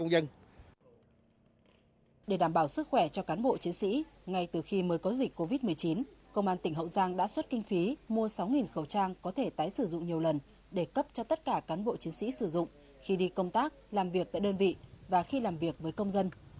để đảm bảo sức khỏe cho cán bộ chiến sĩ ngay từ khi mới có dịch covid một mươi chín công an tỉnh hậu giang đã xuất kinh phí mua sáu khẩu trang có thể tái sử dụng nhiều lần để cấp cho tất cả cán bộ chiến sĩ sử dụng khi đi công tác làm việc tại đơn vị và khi làm việc với công dân